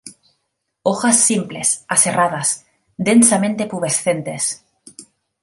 Hojas simples, aserradas, densamente pubescentes.